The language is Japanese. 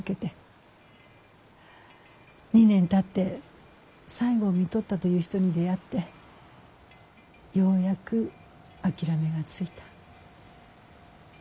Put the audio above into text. ２年たって最期をみとったという人に出会ってようやく諦めがついた。